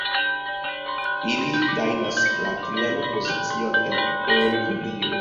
Ili gajnis la trian pozicion en Eŭrovido.